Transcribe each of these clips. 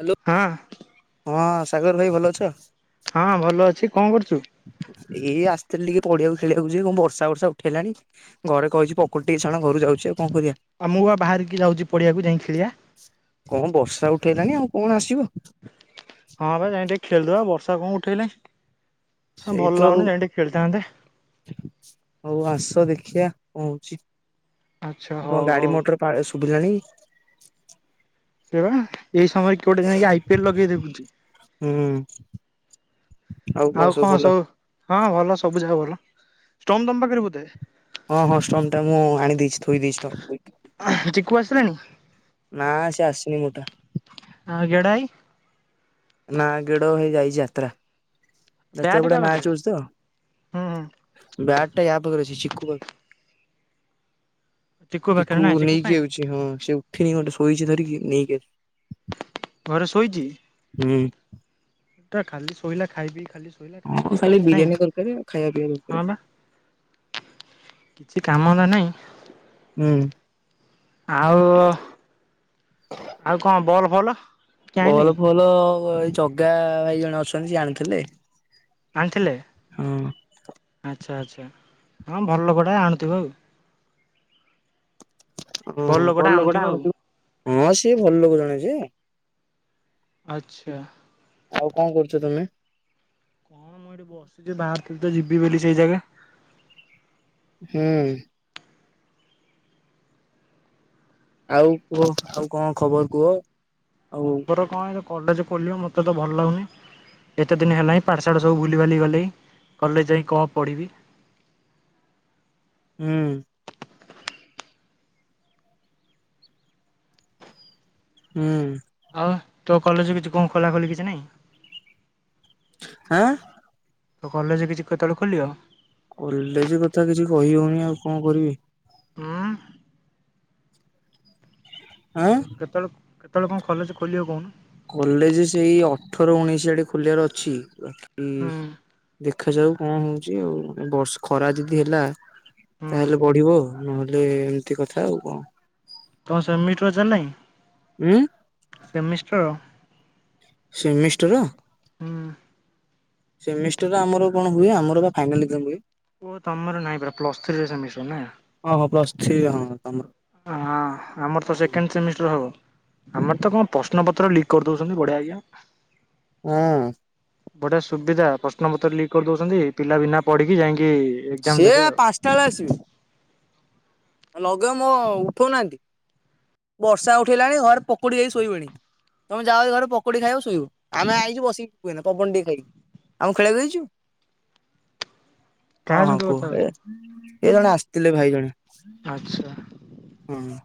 Hello ହଁ ହଁ ସାଗର ଭାଇ ଭଲ ଅଛ। ହଁ ଭଲ ଅଛି କଣ କରୁଚୁ? ଏଇ ଆସିଥିଲି ଟିକେ ପଡିଆକୁ ଖେଳିବାକୁ ଯେ କଣ ବର୍ଷା ବର୍ଷା ଉଠେଇଲାଣି। ଘରେ କହିଛି ପକୁଡି ଟିକିଏ ଛାଣ ଘରୁ ଯାଉଚି ଆଉ କଣ କରିଆ। ଆଉ ମୁଁ ବାହାରିକି ଯାଉଛି ପଡିଆକୁ ଯାଇକି ଖେଳିିଆ। କଣ ବର୍ଷା ଉଠେଇଲାଣି ଆଉ କଣ ଆସିବ। ହଁ ଭାଇ ଯାଇ ଟିକେ ଖେଳିଦବା ବର୍ଷା କଣ ଉଠେଇଲେ। ସେଇ ତ ଆଉ ଖେଳିଥାନ୍ତେ। ହଉ ଆସ ଦେଖିବା କଆଁ ହେଉଛି ଆଚ୍ଛା ହଉ କଣ ଗାଡି ହଉ ମଟର। ପାରେ ଶୁଭିଲାଣି। ଏଇ ସମୟରେ କିଉଟେ ଯାଇକ ଆଇ ପିଏଲ ଲଗେଇ ଦେଖୁଚି। ହୁଁ ଆଉ କଆଁ ସବୁ ଭଲ। ହଁ ଭଲ ସବୁ ଜାଗା ଭଲ ଷ୍ଟୋମ ତମ ପାଖରେ ବୋଧେ ହଁ ହଁ ଷ୍ଟୋମ ଟା ମୁଁ ଆଣି ଦେଇଛି ଥୋଇ ଦେଇଛି ଷ୍ଟ କୁ ଚିକୁ ଆସିଲାଣି। ନା ସେ ଆସିନି ମୋଟା। ଆ ଗେଡ଼ାଇ। ନାଁ ଗିଡ ହେଇ ଯାଇଛି ଯାତ୍ରା ଯାତ୍ରା ବ୍ୟାଟ ପଡା କାହା ନା ପାଖରେ? ଚୁଛି ତ। ହୁଁ ହୁଁ ବ୍ୟାଟ ଟା ୟା ପାଖରେ ଅଛି ଚିକୁ ଚିକୁ ପାଖରେ ଟିକୁ ନା ଚିକୁ ନେଇକି କାଇଁ ଯାଉଛି ହଁ ସେ ଫି ଗୋଟେ ଶୋଇଚି ଧରିକି ନେଇକି ଆ ଘରେ ଶୋଇଚି। ହୁଁ। ଟା ଖାଲି ଶୋଇଲା ଖାଇ ପିଇକି ଖାଲି ଶୋଇଲା କାମ ଆ ଧନ୍ଦା ଖାଲି କିଛି ନାହିଁ ବିରିୟାନୀ ଦରକାର ଖାଇବା ପିବା ହଁ ଦରକାର। ବା। କିଛି କାମ ଧନ୍ଦା ନାଇଁ। ହୁଁ। ଆଉ ଆଉ କଣ ବଲ୍ ଫଲ କିଣିଲେ ଭଲ ଫଲ ଏଇ ଜଗା ଭାଇ ଜଣେ ଅଛନ୍ତି। ସେ ଜାଣିଥିଲେ। ଆଣିଥିଲେ? ହଁ। ଆଚ୍ଛା ଆଚ୍ଛା ହଁ ଭଲ ଲୋକଟା ଆଣୁଥିବ ଆଉ। ହୁଁ ଭଲ ଲୋକଟା ଆଣୁଥିବ। ହଁ ସିଏ ଭଲ ଲୋକ ଜଣେ ଯେ ଆଚ୍ଛା। ଆଉ କଣ କରୁଚ ତମେ? କଣ ମୁଁ ଏଇଠି ବସିଚି। ବାହାରାରୁଥିଲି ତ ଯିବି ବୋଲି ସେଇ ଜାଗା ହୁଁ। ଆଉ କୁହ ଆଉ କଣ ଖବର କୁହ? ଆଉ ଖବର କଣ ଏ କଲେଜ ଖୋଲିବ ମତେ ତ ଭଲ ଲାଗୁନି। ଏତେ ଦିନ ହେଲା ହିଁ। ପାଠଶାଠ ସବୁ ଭୁଲିିବାଲି ଗଲେିଁ କଲେଜ ଯାଇ କଣ ପଢ଼ିବି? ହୁଁ। ହୁଁ। ଆଉ ତୋ କଲେଜ କିଛି କଣ ଖୋଲା ଖୋଲି କିଛି ନାଇଁ? ହାଁ? ତ କଲେଜ କିଛି କେତେବେଳେ ଖୋଲିବ? କଲେଜ କଥା କିଛି କହି ହଉନି ଆଉ କଣ କରିବି? ହୁଁ। ଆଁ? କେତେବେଳେ କେତେବେଳେ କଣ କଲେଜ ଖୋଲିବ କହୁନ? କଲେଜ ସେଇ ଅଠର ଉଣେଇଶି ଆଡେ ଖୋଲିବାର ଅଛି ବାକି ହୁଁ ଦେଖାଯାଉ କଣ ହଉଚି। ଆଉ ବର୍ଷ ଖରା ଯଦି ହେଲା ହୁଁ ତାହେଲେ ବଢିବ। ନହେଲେ ଏମିତି କଥା ଆଉ କଣ? କଣ ସ ମିଟର ଏକଜାମ୍ ନାହିଁ? ହୁଁ? ସେମିଷ୍ଟର? ସେମିଷ୍ଟର? ହୁଁ। ସେମିଷ୍ଟାର ଆମର କଣ ହୁଏ? ଆମର ପା ଫ୍ୟାନାଲ ଏକଜାମ୍ ହୁଏ। ଓ ତମର ନାଇଁ ପରା ପ୍ଲସ ଥ୍ରୀରେ ସେମିଷ୍ଟାର ନା। ହଁ ହଁ ପ୍ଲସ୍ ଥ୍ରୀ ହଁ ତମର। ହଁ ଆମର ତ ସେକେଣ୍ଡ ସେମିଷ୍ଟାର ହବ। ଆମର ତ କଣ ପ୍ରଶ୍ନ ପତ୍ର ଲିକ୍ କରିଦଉଚନ୍ତି ବଢିଆ [unintelligible] ହ। ବଢିଆ ସୁବିଧା ପ୍ରଶ୍ନ ପତ୍ର ଲିକ୍ କରି ଦଉଚନ୍ତି। ପିଲା ବିନା ପଢିକି ଯାଇକି ଏକ୍ଜାମ ସିଏ ଦେବେ ଆଉ। ପାଞ୍ଚଟା ବେଳେ ଆସିବେ। ଲଗାମ ଉଠଉନାହାନ୍ତି। ବର୍ଷା ଉଠେଇଲାଣି ଘରେ ପକୁଡି ଖାଇକି ଶୋଇବଣୀ। ତମେ ଯାଅ ଘରେ ପକୁଡି ଖାଇବ ଶୋଇବ। ଆମେ ଆଇଚୁ ବସିକି ଯିବୁ ଏଇନା ପବନ ଟିକେ ଖାଇକି। ଆଉ ଖେଳବାକୁ ଯାଇଚୁ? ହଁ କାହା ହଁ ସହିତ କଥା କୁହ ଏ ହଉଛୁ? ଜଣେ ଆସିଥିଲେ ଭାଇ ଜଣେ। ଆଚ୍ଛା। ହଁ।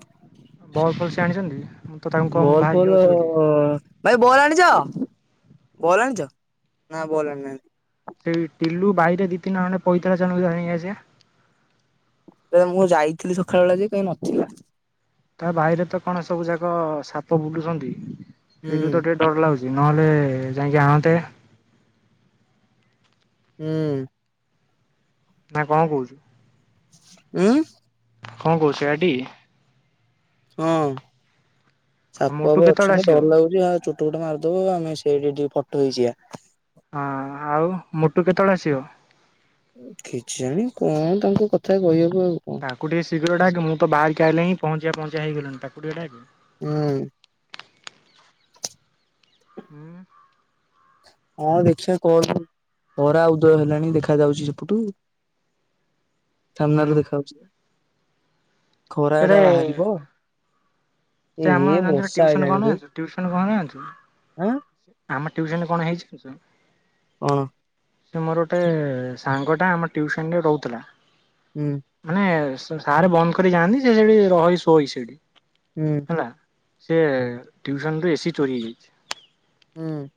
ବଲ ଫଲ ସେ ଆଣିଛନ୍ତି। ତ ତାଙ୍କୁ କହ ମୁଁ ବାହାରିକି ବଲଫଲ ଆଉଛି ବୋଲି। ଅ ଭାଇ ବଲ୍ ଆଣିଛ ବଲ୍ ଆଣିଛ ନା ବଲ୍ ଆଣିନାହାନ୍ତି। ସେଇ ଟିଲୁ ବାଇରେ ଦି ତିିନି ଖଣ୍ଡେ ପଇତା ଅଛି ଯାଉନୁ ଆଣିକିଆସିବା। ହେ ମୁଁ ଯାଇଥିଲି ସଖାଳବେଳା ଯେ କାଇଁ ନଥିଲା। ତା ବାଇରେ ତ କଣ ସବୁ ଯାକ ସାପ ବୁଲୁଛନ୍ତି ହୁଁ ସେଇଠୁ ତ ଟିକେ ଡର ଲାଗୁଛି। ନହେଲେ ଯାଇକି ଆଣନ୍ତେ। ହୁଁ। ନା କଣ କହୁଛୁ? ଉଁ। କଣ କହୁଛୁ ସେଇଆଟି? ହଁ ଆଉ ସାପ ମୋଟୁ ଫାପ କେତେବେଳେ ଅଛନ୍ତି ଆସିବ? ଡର ଲାଗୁଛି ଆଉ ଚୋ ଚୋଟ ଫୋଟ ମାରୁଥିବ ଆମେ ସେଇଠିି ଠିଆ ଫଟୋ ହେଇଯିବା। ହଁ ଆଉ ମୋଟୁ କେତେବେଳେ ଆସିବ? କିଛି ନାଇଁ କଣ ତାଙ୍କ କଥା କହିବୁ ଆଉ ତାକୁ ଟିକେ ଶିଘ୍ର ଡାକେ ମୁଁ ତ ବାହାରିକି ଆଇଲିଣି ପହଞ୍ଚିବା ପହଞ୍ଚିବା ହେଇଗଲିଣି ତାକୁ ଟିକେ ଡାକେ। ହୁଁ। ହୁଁ। ହଁ ଦେଖିବା କଣ ତରା ଉଦୟ ହେଲାଣି ଦେଖା ଯାଉଛି ସେପଟୁ ଥାମ୍ନାରୁ ଦେଖାଯାଉଛି ଖରା ସେରେ ଏଟା ବାହାରିବ। ଏ ସେ ହେ ଆମ [inaudible] ବର୍ଷା ଟ୍ୟୁସନ ଆଇଲାଣି ରେ କରୁନାହାଁନ୍ତି ଟ୍ୟୁସନ କରୁନାହାଁନ୍ତି। ଆଁ। ଆମ ଟ୍ୟୁସନରେ କଣ ହେଇଛି ଜାଣିଛୁ? କଣ? ସେ ମୋର ଗୋଟେ ସାଙ୍ଗଟା ଆମ ଟିଉସନରେ ରହୁଥିଲା। ହୁଁ। ମାନେ ସାରେ ବନ୍ଦ କରି ଯାଆନ୍ତି ସେ ସେଠି ରହେ ଶୋଏ ସେଠି। ହୁଁ। ହେଲା ସେ ଟିଉସନରୁ ଏସିି ଚୋରି ହେଇଯାଇଛି। ହୁଁ।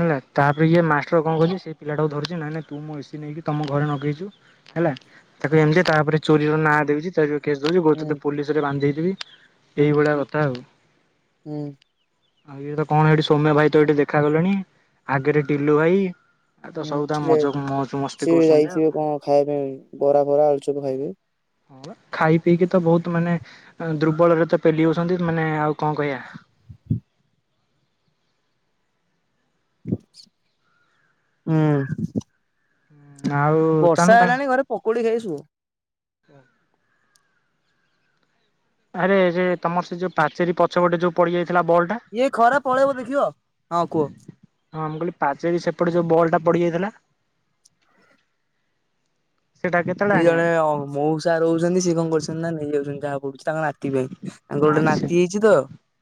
ହେଲା ତାପରେ ଇଏ ମାଷ୍ଟ୍ର କଣ କରିଛି ସେ ପିଲାଟାକୁ ଧରିଛି ନାଇଁ ନାଇଁ ତୁ ମୁଁ ଏସି ନେଇକି ତମ ଘରେ ନଗେଇଛୁ। ହେଲା ତାକୁ ଏମିତି ତାପରେ ଚୋରିର ନାଁ ଦେଉଛି ଚୋରିର କେସ୍ ଦଉଛିି କହୁଛି ତୋତେ ହୁଁ ପୋଲିସରେ ବାନ୍ଧେଇଦେବି ହୁଁ ଏଇଭଳିଆ କଥା ଆଉ ହୁଁ ଆଉ ଇଏ କଣ ଏଠି ସୋମ୍ନା ଭାଇତ ଏଠି ଦେଖାଗଲେଣି ଆଗରେ ଟିଲୁ ଭାଇ ଆଉତ ହୁଁ ସବୁତ ସେ ମଜ ମଉଜ ମସ୍ତି ସିଏ କରୁଛନ୍ତି ଯାଇଥିବେ ଆଉ କଣ ଖାଇବା ପାଇଁ ବରା ଫରା ଆଳୁଚପ ଖାଇବେ ଖାଇପିଇକିତ ବହୁତ ମାନେ ଦୁର୍ବଳରେତ ପେଲି ହଉଛନ୍ତି ମାନେ ଆଉ କଣ କହିବା? ହୁଁ। ଆଉ ତାମାନେ ବର୍ଷା ତା ହେଲାଣି ଘରେ ପକୁଡି ଖାଇ ସୁଅ। ଆରେ ସେ ତମରସେ ଯୋଉ ପାଚେରି ପଛପଟେ ଯୋଉ ପଡି ଯାଇଥିଲା ବଲଟା ଇଏ ଖରା ପଳେଇବ ଦେଖିବ ହଁ କୁହ? ହଁ ମୁଁ କହିଲି ପାଚେରି ସେପଟେ ଯୋଉ ବଲଟା ପଡିଯାଇଥିଲା। ସେଇଟା କେତେବେଳେ ସିଏ ଜଣେ ଆଣିବା ମଉସା ରହୁଛନ୍ତି ସିଏ କଣ କରୁଛନ୍ତିନା ନେଇଯାଉଛନ୍ତି ଯାହା ପଡୁଛି ତାଙ୍କ ନାତି ପାଇଁ ତାଙ୍କର ଗୋଟେ ଆଚ୍ଛା ନାତି ହେଇଛିତ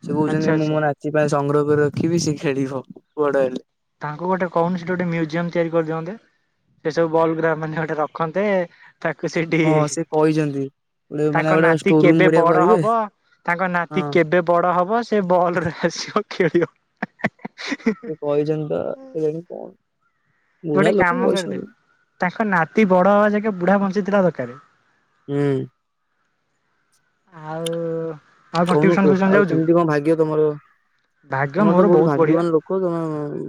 ସେ ଆଚ୍ଛା କହୁଛନ୍ତି ମୁଁ ଆଚ୍ଛା ମୋ ନାତି ସେଥିପାଇଁ ସଂଗ୍ରହ କରି ରଖିବିି ସିଏ ଖେଳିବ ବଡହେଲେ ତାଙ୍କୁ ଗୋଟେ କହୁନୁ ସେଠି ଗୋଟେ ମ୍ୟୁଜିୟମ ତିଆରି କରିଦିଅନ୍ତେ। ସେ ସବୁ ବଲଗୁରା ମାନେ ଯଉଠି ରଖନ୍ତି ତାକୁ ସେଇଠି ହଁ ସେ କହିଛନ୍ତି। ଗୋଟେ ମାନେ ତାଙ୍କ ଗୋଟେ ନାତି ଷ୍ଟୋର ରୁମ୍ କେବେ ପରିକା କରିବେ ବଡହବ ତାଙ୍କ ହଁ ନାତି କେବେ ବଡହବ? ସେ ବଲରେ ଆସିବ ଖେଳିବ ବଇଛନ୍ତିତ କେଜାଣି କଣ ଗୋଟେ ବୁଢା ଲୋକ କାମ କରିଦେ ବଇଛନ୍ତି। ତାଙ୍କ ନାତି ବଡ ହବାଯାକେ ବୁଢା ବଞ୍ଚିଥିଲା ଦରକାର ହୁଁ, ଆଉ, ଆଉ କଣ କହୁନୁ ଟିଉସନ ଫିଉସନ କୁହ ଆଉ ଯାଉଛୁ କେମିତି କଣ ଭାଗ୍ୟ ତମର ଭାଗ୍ୟ ମୋର ତମରତ ବହୁତ ବଢିଆ ଭାଗ୍ୟବାନ ଲୋକ ତମେ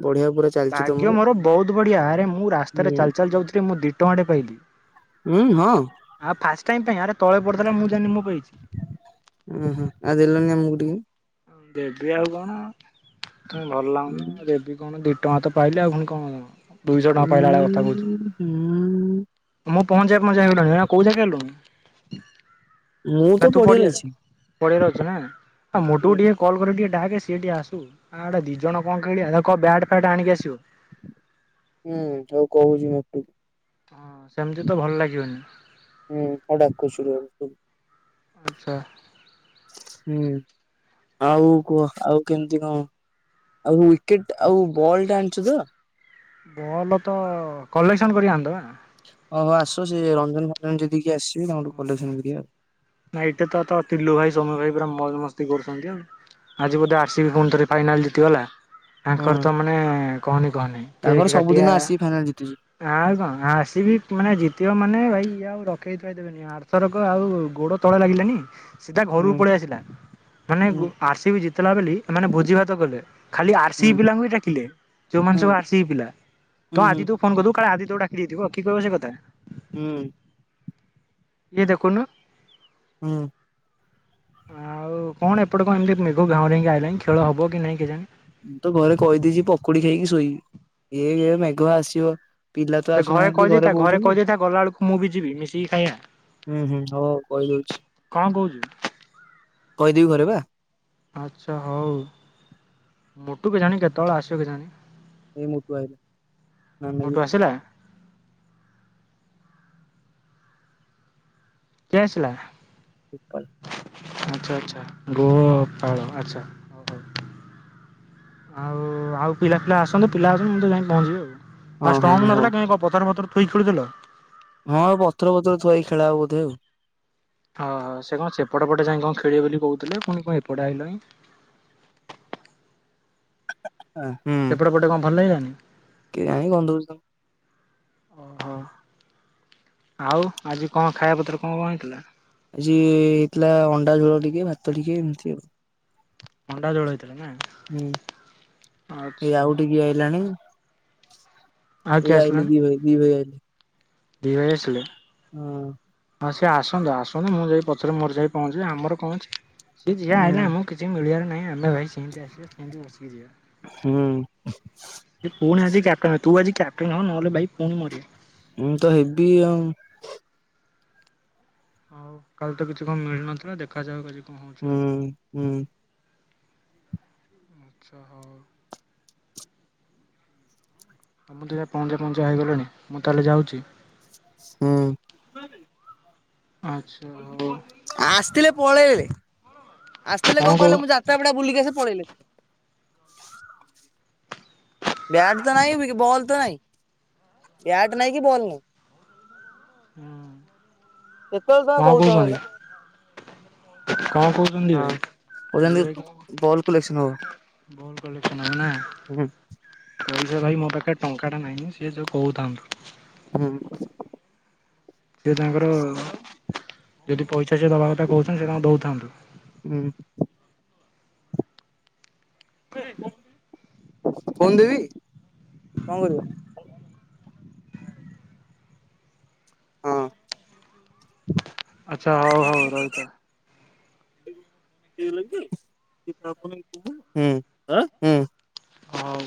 ବଢିଆ ପୁରା ଚାଲିଚ ତମର ତୁ ପୁଅ ଟିକେ ଆରେ ମୁଁ ରାସ୍ତାରେ ହୁଁ ଚାଲି ଚାଲି ଯାଉଥିଲି ମୁଁ ଦିଟଙ୍କା ଟେ ପାଇଲି ହୁଁ ହଁ। ଆଉ ଫାଷ୍ଟ ଟାଇମ ପାଇଁ ଆରେ ତଳେ ପଡିଥିଲା ମୁଁ ଜାଣିନି ମୁଁ ପାଇଛି ଉଁ ହୁଁ ଆଉ ଦେଲନି ଆମକୁ ଟିକେ ଦେବି ଆଉ କଣ ମତେ ଭଲ ଲାଗୁନି ହୁଁ ଦେବି କଣ ଟଙ୍କାତ ପାଇଲେ ଆଉ ଫୁଣି କଣ ଦୁଇଶହ ଟଙ୍କା ପାଇଲା ଭଳିଆ କଥା କହୁଛୁ ହୁଁ ହୁଁ। ମୁଁ ପହଞ୍ଚିବା ପହଞ୍ଚିବା ହେଇଗଲିଣି ଏଇନା କୋଉ ଜାକେ ହେଲୁଣି ମୁଁ ନା ତ ତୁ ପଡିଆରେ ପଡିଆ ଅଛି। ପଡିଆରେ ଅଛୁନା ଆ ହୁଁ ମୋଟୁକୁ ଟିକେ କଲ୍ କରିକି ଟିକେ ଡାକେ ସିଏ ଟିକେ ଆସୁ ଆ ଦିଜଣ କଣଖେଳିବା ତାକୁକହ ବ୍ୟାଟ ଫ୍ୟାଟ ଆଣିକି ଆସିବ ହୁଁ ତାକୁ କହୁଛି ମୋଟୁକୁ ହଁ ସେମିତିତ ଭଲ ଲାଗିବନି ହୁଁ କଣ ଡାକ ଶୁଣିବାପାଇଁ ଆଚ୍ଛା। ହୁଁ ଆଉ କୁହ ଆଉ କେମିତି କଣ? ଆଉ ୱିକେଟ ଆଉ ବଲଟା ଆଣିଚୁତ ବଲତ କଲେକ୍ସନ କରି ଆଣିଦବା ହଁ ହଁ ଆସ ସେ ରଞ୍ଜନ ଫଞ୍ଜନ ଦେଇଦେଇକି ଆସିବି ତାପରେ କଲେକ୍ସନ କରିବା ଆଉ ନାଇଁ ଏଇଠେ ତ ତ ଟିଲୁ ଭାଇ ସୋମ୍ୟ ଭାଇ ପୁରା ମଉଜ ମସ୍ତି କରୁଛନ୍ତି ଆଉ ଆଜି ବୋଧେ ଆର ସି ବି ପୁଣି ଥରେ ଫାଇନାଲ ଜିତିଗଲା ଆଉ ହଁ। ଆଙ୍କରତ ମାନେ କହନି କହନି କେକ୍ ତାଙ୍କର କାଟିବା ସବୁଦିନ ଆର ସି ବି ଫାଇନାଲ ଜିତୁଛି। ଆଉ କଣ ଆସିବି ମାନେ ଜିତିବ ମାନେ ଭାଇ ଇଏ ଆଉ ରଖେଇଥୋଇ ଦେବେନି ଆଉ ଆରଥରକ ଆଉ ଗୋଡ ତଳେ ଲାଗିଲାନି ସିଧା ଘରକୁ ହୁଁ ପଳେଇ ଆସିଲା। ମାନେ ହୁଁ ଆରସିିବି ଜିତଲା ବୋଲି ଏମାନେ ଭୋଜିଭାତ କଲେ ଖାଲି ଆରସିିବି ହୁଁ ପିଲାଙ୍କୁ ବି ଡାକିଲେ। ଯଉମାନେ ସବୁ ଆର ସିି ବି ପିଲା। ତ ହୁଁ-ହୁଁ, ଆଦିତ୍ୟକୁ ଫୋନ କରିଦବୁ କାଳେ ଆଦିତ୍ୟକୁ ଡାକିଦେଇଥିବ କି କହିବ ସେକଥା ହୁଁ, ଇଏ ଦେଖୁନୁ ହୁଁ। ଆଉ କଣ ଏପଟେ କଣ ଏମିତି ମେଘ ଘାଉଁରେକି ଆଇଲାଣି ଖେଳ ହବ କି ନାଇଁ କେଜାଣି? ମୁଁ ତ ଘରେ କହିଦେଇଛି ପକୁଡି ଖାଇକି ଶୋଇବି ଏ ମେଘ ଆସିବ। ପିଲା ତ ଘରେ ଆସୁନାହାନ୍ତି କହିଦେଇଥା ଘରେ କହୁଛନ୍ତି କହିଦେଇଥା ଗଲା ବେଳକୁ ମୁଁ ବି ଯିବି ମିଶିକି ଖାଇଆ। ହୁଁ ହୁଁ ହଉ କହିଦଉଛି କହୁଛୁ? କହିଦେବି ଘରେ ବା ଆଚ୍ଛା ହଉ ମୋଟୁ କେଜାଣି କେତେବେଳେ ଆସିବ କେଜାଣି? ଏଇ ମୋଟୁ ଆଇଲା ଏ ମୁଁ ମୋଟୁ ଇଏ ଆସିଲା କିଏ ଆସିଲା? ଗୋପାଲ। ଆଚ୍ଛା ଆଚ୍ଛା ଗୋପାଳ ଆଚ୍ଛା। ଆଉ ଆଉ ପିଲା ଫିଲା ଆସନ୍ତୁ ପିଲା ଆସନ୍ତୁ ମୁଁ ସେଠି ଯାଇକି ପହଞ୍ଚିବି ହଁ ଆଉ ଆ ହଁ ଷ୍ଟମ୍ପ ହଉ ନଥିଲା କାଇଁ ପ-ପଥର ପଥର ଥୋଇକି ଖେଳୁଥିଲ। ହଁ ଆଉ ପଥର ପଥର ଥୁଆ ହେଇ ଖେଳା ହବ ବୋଧେ ଆଉ। ଅ ହ ସେ କଣ ସେପଟ ପଟେ ଯାଇକି କଣ ଖେଳିବ ବୋଲି କହୁଥିଲେ ପୁଣି କଣ ଏପଟେ ଆଇଲଣିଁ। [unintelligible] ସେପଟେ ପଟେ କଣ ଭଲ ଲାଗିଲାନି? କେଜାଣି ଗନ୍ଧଉଚି ତ? ଓହୋ। ଆଉ ଆଜି କଣ ଖାଇବାପତ୍ର କଣ କଣ ହେଇଥିଲା? ଆଜି ହେଇଥିଲା ଅଣ୍ଡା ଝୋଳ ଟିକେ ଭାତ ଟିକେ ଏମିତି ଆଉ। ଅଣ୍ଡା ଝୋଳ ହେଇ ଥିଲା ନା? ହୁଁ ହେ ଆଚ୍ଛା ଆଉ ଗୋଟେ କିଏ ଆଇଲାଣି? ଆଉ କିଏ ଏ ଆସିଲାନି ଆଇ [unintelligible] ଦି ଭାଇ ଆସିଲେ? ହଁ। ହଁ ସିଏ ଆସନ୍ତୁ ଆସନ୍ତୁ ମୁଁ ଯାଇ ପଛରେ ମୋର ଯାଇ ପହଞ୍ଚିବି ଆମର କଣ ଅଛି? ସେଏ ଯିଏ ହୁଁ ଆଇଲା ଆମକୁ କିଛି ମିଳିବାର ନାହିଁ ଆମେ ଭାଇ ସେମିତି ଆସିବା ସେମିତି ବସିକି ଯିବା। ହୁଁ ସେ ପୁଣି ଆଜି କ୍ୟାପଟନ ତୁ ଆଜି କ୍ୟାପଟନ ହ ନହେଲେ ଭାଇ ପୁଣି ମରିବୁ। ମୁଁ ତ ହେବି ଆଉ। ହଉ କାଲି ତ କିଛି କଣ ମିଳୁନଥିଲା ଦେ ଦେଖାଯାଉ କାଲି କଣ ହଉ ହୁଁ ହୁଁ। ଆଚ୍ଛା ହଉ। ମୁଁ ତ ଦେଖିବା ପହଞ୍ଚିବା ପହଞ୍ଚିବା ହେଇଗଲିଣି ମୁଁ ତାହେଲେ ଯାଉଛି। ହୁଁ। ଆଚ୍ଛ ଆସିଥିଲେ ପଳେଇଲେ ଆସିଥିଲେ କଣ କହୁ ହୁଁ କହିଲ ମୁଁ ଜା ଚାରି ଟା ଭଳିଆ ବୁଲିକି ଆସି ପଳେଇଲେ। ବ୍ୟାଟ ତ ନାହିଁ ବି ବଲ ତ ନାଇ। ବ୍ୟାଟ ନାଇଁ କି ବଲ୍ ନାହିଁ। ହୁଁ କେତେବେଳେ କଣ ତମେ କହୁଛ କହିଲ। କହୁଛନ୍ତି କଣ କହୁ ହଁ କହୁଛନ୍ତି ବଲ କଲେକ୍ସନ ହବ। ବଲ କଲେକ୍ସନ ହବ ନା। ହୁଁ କହୁଛ ଭାଇ ମୋ ପାଖରେ ଟଙ୍କା ଟେ ନାଇଁ ସେ ଯୋଉ କହୁଥାନ୍ତୁ। ହୁଁ। ସେ ତାଙ୍କର ଯଦି ପଇସା ସେ ଦବା କଥା କହୁଛନ୍ତି ସେ ତାଙ୍କର ଦଉଥାନ୍ତୁ। ହୁଁ। ଏ କଣ କହିଲୁ? ଫୋନ ଦେବି? ହଁ। ଆଚ୍ଛା ହଉ ହଉ ରହିଥା। ହୁଁ ହୁଁ। ହଉ।